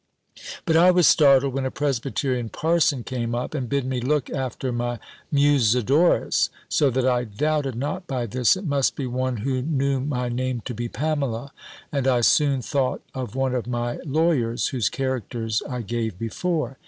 But I was startled when a Presbyterian Parson came up, and bid me look after my Musidorus So that I doubted not by this, it must be one who knew my name to be Pamela; and I soon thought of one of my lawyers, whose characters I gave before.